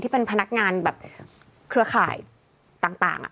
เป็นพนักงานแบบเครือข่ายต่าง